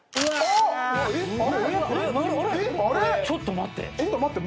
ちょっと待って。